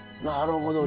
なるほど。